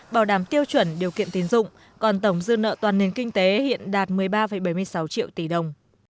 bảo đảm tiêu chuẩn điều kiện tín dụng còn tổng dư nợ toàn nền kinh tế hiện đạt một mươi ba bảy mươi sáu triệu tỷ đồng